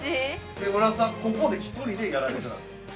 ◆村田さん、ここで１人でやられてたんですか。